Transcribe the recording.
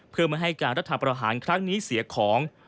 เพื่อไม่ให้การรัฐประหารครั้งนี้เสียของ